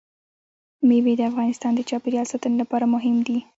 مېوې د افغانستان د چاپیریال ساتنې لپاره مهم دي.